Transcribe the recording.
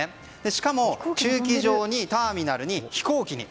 しかも、駐機場にターミナルに飛行機に。